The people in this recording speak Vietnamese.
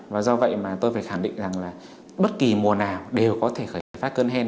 và do vậy mà tôi phải khẳng định rằng là bất kỳ mùa nào đều có thể khởi phát cơn hen